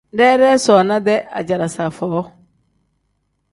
Deedee soona-dee ajalaaza foo.